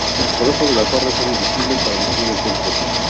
Los restos de la torre son visibles a los pies del templo.